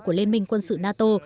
của liên minh quân sự nato